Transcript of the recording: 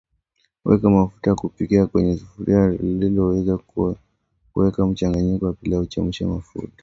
Weka mafuta ya kupikia kwenye sufuria linaloweza kuweka mchanganyiko wa pilau chemsha mafuta